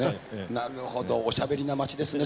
なるほどおしゃべりな街ですね